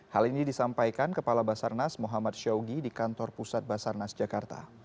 hal ini disampaikan kepala basarnas muhammad syawgi di kantor pusat basarnas jakarta